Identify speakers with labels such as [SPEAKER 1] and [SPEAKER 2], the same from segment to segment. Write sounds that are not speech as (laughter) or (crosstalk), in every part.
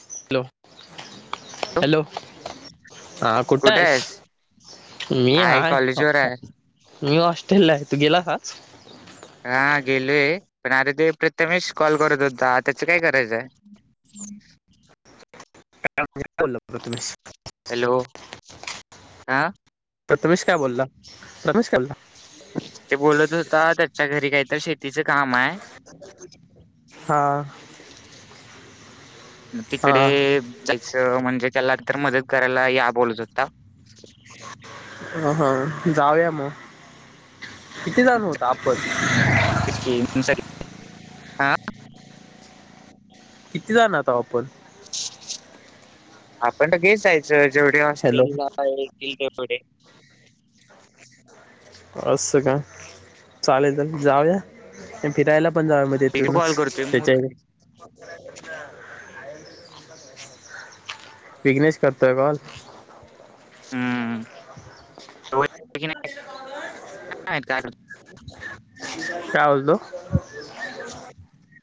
[SPEAKER 1] Hello, hello हा कुठ आहेस. मी
[SPEAKER 2] हाय
[SPEAKER 1] आहे
[SPEAKER 2] कॉलेजवर आहे.
[SPEAKER 1] मी हॉस्टेलला आहे तू गेलास आज?
[SPEAKER 2] हा गेलोय पण अरे ते प्रथमेश कॉल करत होता, त्याच काय करायचंय. (inaudible)
[SPEAKER 1] बोल ब तुम्ही (unintelligible)
[SPEAKER 2] हॅलो हा.
[SPEAKER 1] प्रथमेश काय बोलला रमेश का आलता.
[SPEAKER 2] ते बोलत होता. त्याच्या घरी काहीतर शेतीच काम आहे.
[SPEAKER 1] हां.
[SPEAKER 2] मग तिकडे जायच म्हणजे त्याला मदत करायला या बोलत होता.
[SPEAKER 1] अ हा जाऊया मग. किती जण आहोत आपण
[SPEAKER 2] हम्म, तेच की. मग सग- हा.
[SPEAKER 1] किती जण आहोत आपण.
[SPEAKER 2] आपण तर घे जायचं जेवढे
[SPEAKER 1] हॅलो
[SPEAKER 2] हॉस्टेल ला येतील ते मर (unintelligible)
[SPEAKER 1] असं का चालेल. तर जाऊया फिरायला. आपण जावूया
[SPEAKER 2] एक कॉल
[SPEAKER 1] येथूनच
[SPEAKER 2] करतोय
[SPEAKER 1] त्याच्या
[SPEAKER 2] मूर्ख आहे.
[SPEAKER 1] विघ्नेश करतोय कॉल.
[SPEAKER 2] हम्म तो येतोय की नाही काय माहित?
[SPEAKER 1] काय बोलतो.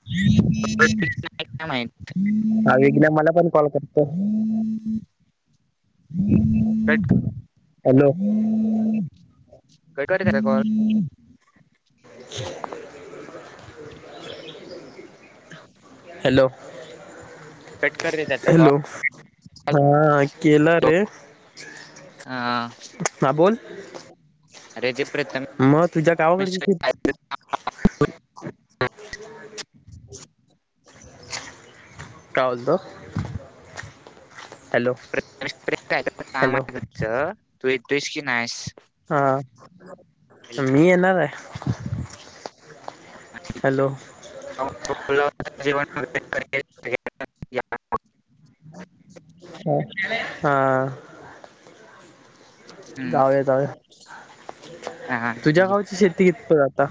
[SPEAKER 1] हम् हम् (unintelligible)
[SPEAKER 2] येतो काय नाही काय माहित.
[SPEAKER 1] हा वीघण्या मला पण कॉल करतो.
[SPEAKER 2] भेट.
[SPEAKER 1] हॅलो.
[SPEAKER 2] काय कारी कॉल.
[SPEAKER 1] (unintelligible) हॅलो.
[SPEAKER 2] कट कररे त्याचा कॉल.
[SPEAKER 1] हॅलो हा केला रे
[SPEAKER 2] हा
[SPEAKER 1] हा बोल. (inaudible)
[SPEAKER 2] अरे ते प्रथम
[SPEAKER 1] मग तुझ्या गावाकडची शेती
[SPEAKER 2] (unintelligible)
[SPEAKER 1] का बोलतो हॅलो.
[SPEAKER 2] काम
[SPEAKER 1] हॅलो
[SPEAKER 2] आहे तू येतुस की नाहीस (unintelligible)
[SPEAKER 1] हा मी येणार आहे. हॅलो
[SPEAKER 2] (unintelligible) जीवन (unintelligible)
[SPEAKER 1] ह हा.
[SPEAKER 2] हम्म.
[SPEAKER 1] जाऊ जाऊ
[SPEAKER 2] हा
[SPEAKER 1] तुझ्या
[SPEAKER 2] ठीक
[SPEAKER 1] गावची शेती कितप आता.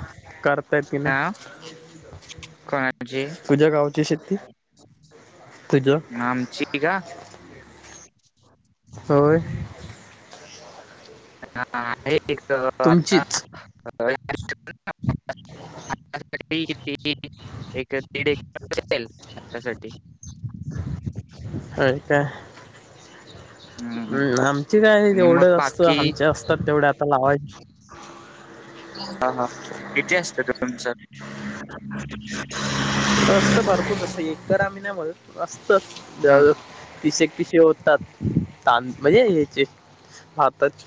[SPEAKER 1] करता येतीना.
[SPEAKER 2] काय.
[SPEAKER 1] तुझ्या गावची शेती. तुझ्या
[SPEAKER 2] आमची का
[SPEAKER 1] होय.
[SPEAKER 2] हा आहे आता.
[SPEAKER 1] तुमचीच
[SPEAKER 2] अ,
[SPEAKER 1] (unintelligible)
[SPEAKER 2] (unintelligible) एक दीड एक असेल (unintelligible) साठी.
[SPEAKER 1] अ काय? हम्म आमचे काय
[SPEAKER 2] आणि मग
[SPEAKER 1] जवढं असतं
[SPEAKER 2] बाकी
[SPEAKER 1] आमचे असतात तेवढे आता लावायचे.
[SPEAKER 2] हा हा किती असत त तुमचं.
[SPEAKER 1] त सारख असं एक गरामनमध्ये असत
[SPEAKER 2] हा
[SPEAKER 1] तीस (unintelligible) पिसे होतात त म्हणजे याचे भातच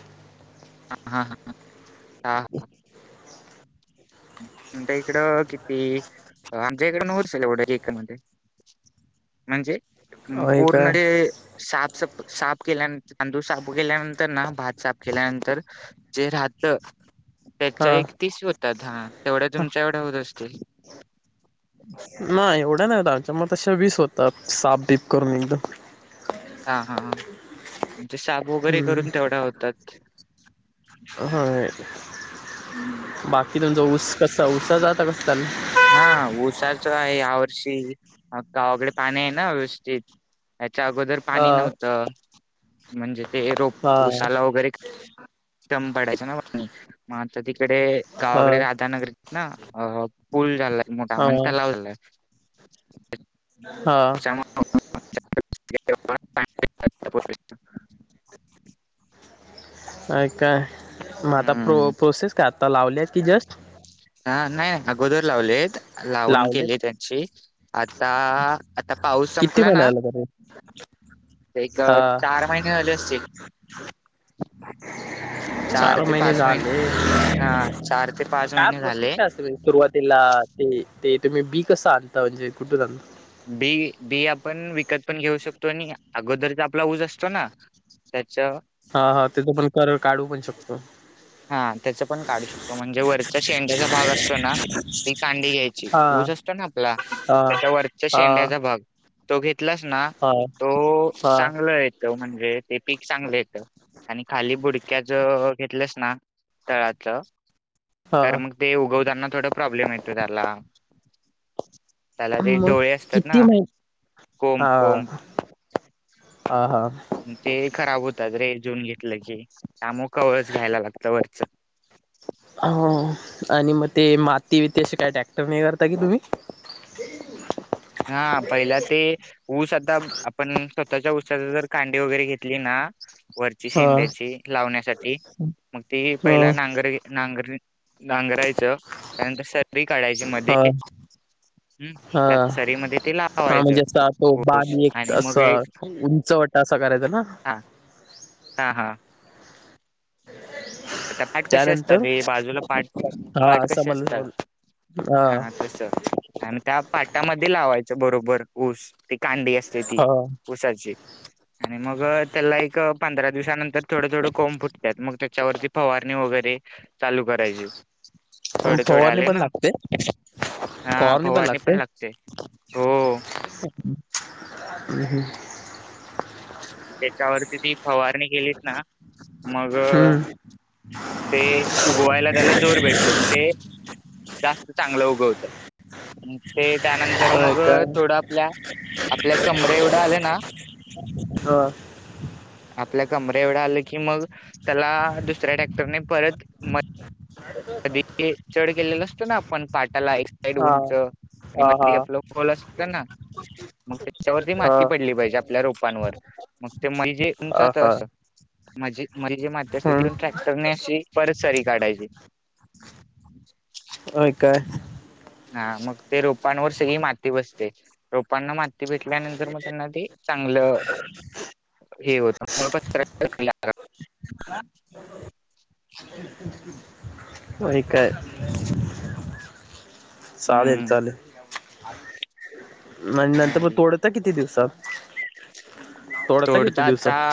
[SPEAKER 2] हा हा ह ह ह. आच्या इकडं किती आमच्या इकड नतल एवढ होत एकर मध्ये. म्हणजे
[SPEAKER 1] होय काय
[SPEAKER 2] पूर्ण ज साफ साफ केल्यानंतर तांदूळ साफ केल्यानंतर ना भात साफ केल्यानंतर जे राहत. त्याच्या
[SPEAKER 1] हा
[SPEAKER 2] एक तीस होतात हा तेवढ्या तुमच्या एवढ्या होत असतील.
[SPEAKER 1] नाही एवढ्या नाही दच्या म तशा वीस होतात सापदीप करून एकदम
[SPEAKER 2] हा हा हा. ते साप वगैरे
[SPEAKER 1] हम्म.
[SPEAKER 2] करून तेवढा होतात.
[SPEAKER 1] होय
[SPEAKER 2] हम्म.
[SPEAKER 1] बाकी तुमचा ऊस कस ऊसाच आता कस चालु आहे.
[SPEAKER 2] हा उसाच आहे या वर्षी गावाकडे पाणी आहे ना व्यवस्थित. याच्या अगोदर पाणी
[SPEAKER 1] अ
[SPEAKER 2] नव्हतं म्हणजे ते
[SPEAKER 1] हा
[SPEAKER 2] रोप उसाला वगैरे दम पडायचा ना. मग आता तिकडे
[SPEAKER 1] हा
[SPEAKER 2] गावाकडे राधानगरीत ना अ पूल झालाय. मोठा
[SPEAKER 1] हा
[SPEAKER 2] म्हणत्या तलाव झाले आहे.
[SPEAKER 1] हा.
[SPEAKER 2] (unintelligible)
[SPEAKER 1] अ काय मग आता प्रो
[SPEAKER 2] हम्म.
[SPEAKER 1] प्रोसेस का आता लावले आहेत कि जस्ट
[SPEAKER 2] हा नाही नाही अगोदर लावलेत. लावून
[SPEAKER 1] लावले
[SPEAKER 2] केली त्यांची आता आता पाऊस
[SPEAKER 1] किती
[SPEAKER 2] संपला ना.
[SPEAKER 1] महिन्याला तरी
[SPEAKER 2] एक
[SPEAKER 1] हा
[SPEAKER 2] चार महिने झाले असतील
[SPEAKER 1] (unintelligible) चार महिने झाले
[SPEAKER 2] हा चार ते पाच
[SPEAKER 1] काय
[SPEAKER 2] महिने
[SPEAKER 1] प्रोसेस
[SPEAKER 2] झाले
[SPEAKER 1] काय असते म्हणजे सुरुवातीला ते ते तुम्ही बी कसं आणता म्हणजे कुठून आणता
[SPEAKER 2] बी बी आपण विकत पण घेऊ शकतो आणि अगोदरचा आपला ऊस असतो ना (unintelligible)
[SPEAKER 1] हा हा तेचा पण काढू पण शकतो
[SPEAKER 2] हा त्याच पण काढू शकतो म्हणजे वरचा शेंडाचा भाग असतो ना ती कांडी घ्यायची
[SPEAKER 1] हा
[SPEAKER 2] ऊस असतो ना आपला
[SPEAKER 1] हा
[SPEAKER 2] त्याच्यावररचा
[SPEAKER 1] हा
[SPEAKER 2] शेंड्याचा भाग तो घेतलास ना
[SPEAKER 1] हा
[SPEAKER 2] तो
[SPEAKER 1] हा
[SPEAKER 2] चांगला येत म्हणजे ते पीक चांगलेेत आणि खाली बुडक्या ज घेतलंस ना तळाच
[SPEAKER 1] हा
[SPEAKER 2] तर मग ते उगवताना थोड प्रॉब्लेम येतो त्याला त्याला ते
[SPEAKER 1] मग
[SPEAKER 2] डोळे असतात
[SPEAKER 1] किती
[SPEAKER 2] ना
[SPEAKER 1] महि
[SPEAKER 2] कोंब
[SPEAKER 1] हा
[SPEAKER 2] कोंब
[SPEAKER 1] हा हा
[SPEAKER 2] ते खराब होतात रे जऊन घेतलं की त्याम कवळच घ्यायला लागतं वरच
[SPEAKER 1] हो आणि मग ते माती बतीे काय ट्रॅक्टर नाही करता की तुम्ही (unintelligible)
[SPEAKER 2] हा पहिला ते ऊस आता आपण स्वतःच्या ऊस जर कांडी वगैरे घेतली ना वरची
[SPEAKER 1] हा
[SPEAKER 2] शेंड्याची लावण्यासाठी मग ती पहिला
[SPEAKER 1] हा
[SPEAKER 2] नांगर नांगर नांगरायचं त्यानंतर शरीरी काढायची
[SPEAKER 1] हा
[SPEAKER 2] मध्ये हम्
[SPEAKER 1] हा हा म्हणजे अस तो बाणी एक
[SPEAKER 2] आणि
[SPEAKER 1] अस
[SPEAKER 2] मग एक
[SPEAKER 1] उंचवटा असा करायचा ना ह
[SPEAKER 2] हा हा हा आता पाठ कसे असतात
[SPEAKER 1] त्यानंतर
[SPEAKER 2] हे बाजूला पाठ
[SPEAKER 1] हा
[SPEAKER 2] पाठ कसे
[SPEAKER 1] समजलं
[SPEAKER 2] असतात हा तस आणि त्या पाटामध्ये लावायचं बरोबर ऊस ती कांडी असते ती
[SPEAKER 1] हा
[SPEAKER 2] उसाची आणि मग त्याला एक पंधरा दिवसानंतर थोडं थोडडे कोंब फुटतात मग त्याच्यावरती फवारणी वगैरे चालू करायचे
[SPEAKER 1] फवारनी पण लागते फवारणी पण लागते
[SPEAKER 2] हो त्याच्यावरती ती फवारणी केेलीच ना मग
[SPEAKER 1] हम्म
[SPEAKER 2] ते उगवायला त्याला जोर भेटतो ते जास्त चांगलं उगवत ते त्यानंतर
[SPEAKER 1] होय
[SPEAKER 2] मग
[SPEAKER 1] काय
[SPEAKER 2] थोडं आपल्या आपल्या कमरे एवढ्या आले ना
[SPEAKER 1] हा
[SPEAKER 2] आपल्या कमर एवढं आलं की मग त्याला दुसऱ्या टॅक्टरने परत म कधी चढ केलेला असतो ना आपण पाटाला एक साईड
[SPEAKER 1] हा
[SPEAKER 2] उंच आणि म
[SPEAKER 1] हा
[SPEAKER 2] आपलंल अस ना मग त्याच्यावरती
[SPEAKER 1] हा
[SPEAKER 2] माती
[SPEAKER 1] हा
[SPEAKER 2] पडली पाहिजे आपल्या रोपांवर मग ते म्हैजे
[SPEAKER 1] हा
[SPEAKER 2] तमचं
[SPEAKER 1] हा
[SPEAKER 2] असं माझे माझी जी माती असते
[SPEAKER 1] हम्
[SPEAKER 2] तथून ट्रॅक्टरने अशी परत सरी काढायची
[SPEAKER 1] हो काय
[SPEAKER 2] हा मग ते रोपांवर सगळी माती बसते रोप पप्पांना माती भेटल्यानंतर मग त्यांना ते चांगलं हे होत
[SPEAKER 1] ह (unintelligible) अ काय चालेलल
[SPEAKER 2] हम्म
[SPEAKER 1] चालेल आणि नंतर मग तोडत किती दिवसात तोडता किती
[SPEAKER 2] तोडतातता
[SPEAKER 1] दिवसात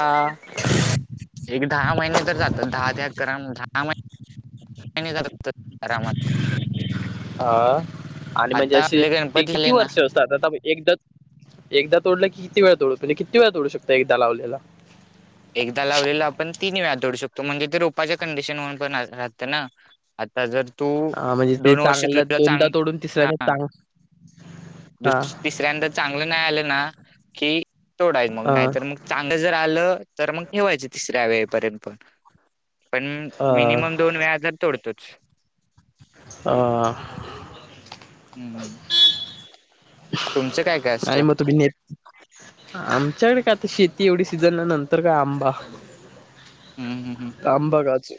[SPEAKER 2] एक दहा महिने तर जातात दहा त्या अकरा दहा महिने मत
[SPEAKER 1] अ आणि म्हणजे असे ते
[SPEAKER 2] गणपती
[SPEAKER 1] किती
[SPEAKER 2] झाले ना
[SPEAKER 1] वर्ष असतात? आता एकदा एकदा तोडलं की किती वेळ तोडू? तो कणी किती वेळा तोडू शकतोय एकदा लावलेला?
[SPEAKER 2] एकदा लावलेलं आपण तीन वेळा तोडू शकतो म्हणजे ते रोपाच्या कंडिशनवर पण राहतं ना? आता जर तू
[SPEAKER 1] हा म्हणजे ते
[SPEAKER 2] दोन वर्ष
[SPEAKER 1] चांगला
[SPEAKER 2] तुझ
[SPEAKER 1] दोनदा
[SPEAKER 2] चांग
[SPEAKER 1] तोडून
[SPEAKER 2] हा
[SPEAKER 1] तिसऱ्याने चांग हा
[SPEAKER 2] दुस तिसऱ्यांदा चांगलं नाही आलं ना, कि तोडायच मग
[SPEAKER 1] अ
[SPEAKER 2] नाहीतर मग चांगलं जर आलं तर मग ठेवायच तिसऱ्या वेळेपर्यंत पण, पण
[SPEAKER 1] अ
[SPEAKER 2] मिनिमम दोन वेळा तर तोड तच.
[SPEAKER 1] हा.
[SPEAKER 2] हू हू.
[SPEAKER 1] आणि म तुम्ही नेत आमच्याकडे काय आता शेती एवढी सीझन न नंतर न काय आंबा?
[SPEAKER 2] हम्म हम्म हम्म.
[SPEAKER 1] आंबा, काजू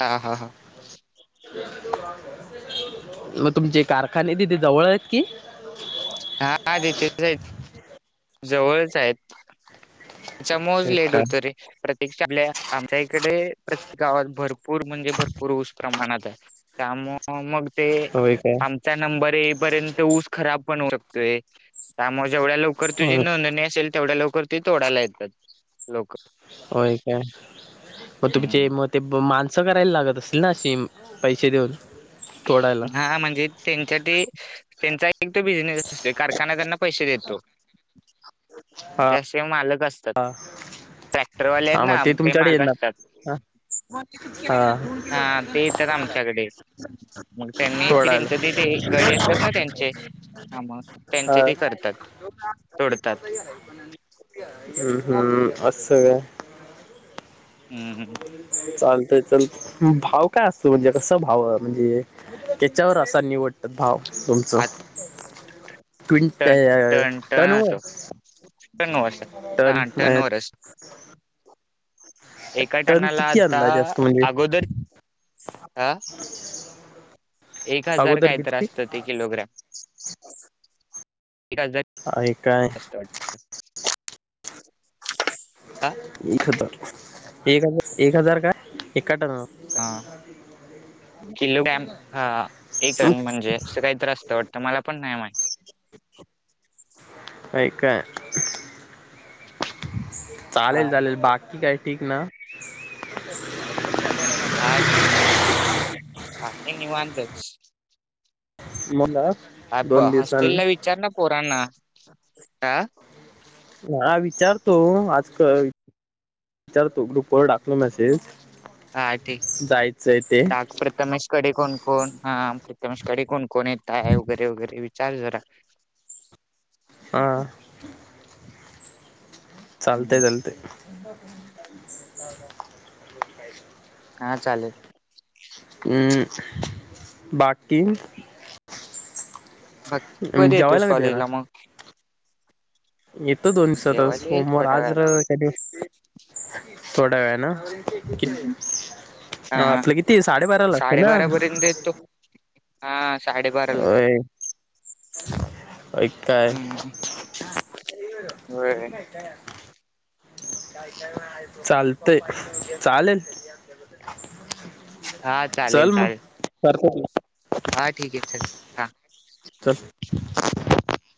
[SPEAKER 2] हा हा हा.
[SPEAKER 1] म तुमचे कारखाने तिथे जवळ आहेत कि
[SPEAKER 2] हा तिथेच आहेत जवळच हायेत. त्याच्यामुळेज
[SPEAKER 1] होय
[SPEAKER 2] लेट
[SPEAKER 1] काय
[SPEAKER 2] होतय रे, प्रतिक्षा आलिया आप आमच्या इकडे प्रत्येक गावात भरपूर म्हणजे भरपूर ऊस प्रमाणात त्यामुळे मग ते
[SPEAKER 1] होय काय
[SPEAKER 2] आमचा नंबर येईपर्यंत ऊस खराब पण उरकतोय, त्यामुळे मग जेवढ्या लवकर तुझी
[SPEAKER 1] होय
[SPEAKER 2] नोंदणी असेल, तेवढ्या लवकर ते तोडायला येतात. लोक.
[SPEAKER 1] होय काय. म तुमचे
[SPEAKER 2] हम्म.
[SPEAKER 1] म ते माल असं करायला लागत असेल ना सीम, पैसे देऊन. तोडायला
[SPEAKER 2] हा हा म्हणजे त्याचं ते, त्यांचा एक त बिझनेस असतोय कारखाना् त्यांना पैसे देतो. त्यास मालक अस
[SPEAKER 1] हा. हा मग ते तुमच्याकड येणार हा.
[SPEAKER 2] ते येतात
[SPEAKER 1] हा.
[SPEAKER 2] आमच्याकडे मग त्यांनी ते-
[SPEAKER 1] तोडायला.
[SPEAKER 2] त्यांचं ते ते गडी असतात ना त्यांचे हा मग त्यांचे
[SPEAKER 1] हा.
[SPEAKER 2] ते करतात तोडतात
[SPEAKER 1] हम्म हम्म असं काय.
[SPEAKER 2] हम्म
[SPEAKER 1] चालतय चल. भाव काय असतो म्हणजे कसं भाव म्हणजे, त्याच्यावर असा निवडतात भाव? तुमचं.
[SPEAKER 2] आ
[SPEAKER 1] ट्वीन त्या टन वर.
[SPEAKER 2] टन असं
[SPEAKER 1] टन
[SPEAKER 2] हा
[SPEAKER 1] मग
[SPEAKER 2] टनवर असत एका टनाला
[SPEAKER 1] किती
[SPEAKER 2] आता
[SPEAKER 1] अंदाजे असतो म्हणजे
[SPEAKER 2] अगोदर, हं? एक हजार
[SPEAKER 1] अगोदर
[SPEAKER 2] काय तर
[SPEAKER 1] किती
[SPEAKER 2] असत ते किलोग्रॅम. एक हजार,
[SPEAKER 1] आहे काय
[SPEAKER 2] असत वाटतं. हा
[SPEAKER 1] एक हजार. एक हजार एक हजार काय?
[SPEAKER 2] हा,
[SPEAKER 1] (inaudible)
[SPEAKER 2] किलोग्रॅम हा एक टन म्हणजे असं काय तर असतं वाटतं, मला पण नाही माहित.
[SPEAKER 1] व्हय काय.
[SPEAKER 2] हा
[SPEAKER 1] चालेल चालेल बाकी काय ठीक ना?
[SPEAKER 2] हा ठिकाय ठीक, बाकी निवांतच.
[SPEAKER 1] मग
[SPEAKER 2] अब,
[SPEAKER 1] दोन दिवसांनी
[SPEAKER 2] हॉस्टेला विचार ना पोरांना. आ
[SPEAKER 1] हा विचारतो. आज क (unintelligible) विचारतो. ग्रुपवर टाकलो मेसेज.
[SPEAKER 2] हा ठीक.
[SPEAKER 1] जायचंय ते
[SPEAKER 2] टाक प्रथमेशकडे कोण कोण? हा प्रथमेशकडे कोण कोण येत आहे. वगैरे वगैरे विचार जरा? (inaudible)
[SPEAKER 1] ह. (inaudible) चालते,
[SPEAKER 2] हम्म
[SPEAKER 1] चालते.
[SPEAKER 2] का चालेल?
[SPEAKER 1] अ बाकी?
[SPEAKER 2] तु कधी येतोस
[SPEAKER 1] जेवायला
[SPEAKER 2] कॉलेजला
[SPEAKER 1] येणार
[SPEAKER 2] मग?
[SPEAKER 1] येतो दोन दिवसातच
[SPEAKER 2] जेवायला येईल
[SPEAKER 1] सोमवार
[SPEAKER 2] थोड्या
[SPEAKER 1] आज जरा
[SPEAKER 2] वेळात
[SPEAKER 1] काय ते (inaudible) थोड्या वेळान
[SPEAKER 2] हम्म हम्म हा
[SPEAKER 1] आपलं किती साडेबाराला असतं ना?
[SPEAKER 2] साडेबारा पर्यंत येतो हा साडेबारालाच
[SPEAKER 1] ओय (inaudible) ऐकताय.
[SPEAKER 2] हम्म
[SPEAKER 1] दे हिकडं बघू
[SPEAKER 2] होय
[SPEAKER 1] काय काय हाय? चालतंय. चालेल. (inaudible)
[SPEAKER 2] हा चालेल, चालेल.
[SPEAKER 1] (unintelligible) पीस
[SPEAKER 2] हा ठीक आहे. चल हा.
[SPEAKER 1] चल. (inaudible)